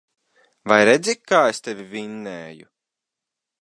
Vai redzi, kā es tevi vinnēju.